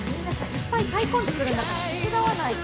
いっぱい買い込んでくるんだから手伝わないと。